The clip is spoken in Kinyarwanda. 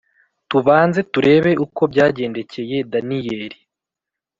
tubanze turebe uko byagendekeye Daniyeli